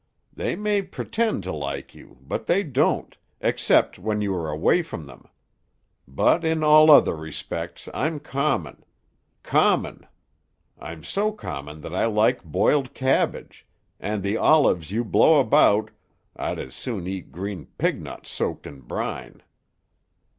They may pretend to like you, but they don't, except when you are away from them. But in all other respects I'm common. Common! I'm so common that I like boiled cabbage; and the olives you blow about I'd as soon eat green pignuts soaked in brine.